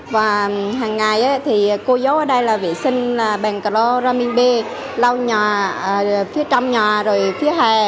và hằng ngày thì cô dấu ở đây là phải rửa tay bằng sà phầm qua sáu bước